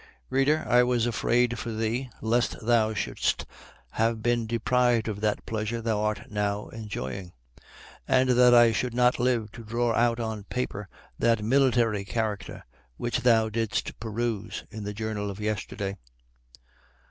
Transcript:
Reader, I was afraid for thee, lest thou shouldst have been deprived of that pleasure thou art now enjoying; and that I should not live to draw out on paper that military character which thou didst peruse in the journal of yesterday.